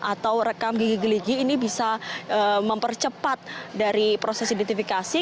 atau rekam gigi gigi ini bisa mempercepat dari proses identifikasi